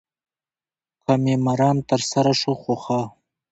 که مې مرام تر سره شو خو ښه.